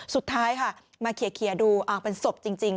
สุดท้ายค่ะมาเคลียร์ดูเป็นศพจริง